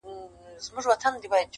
د حلوا په ويلو خوله نه خوږه کېږي.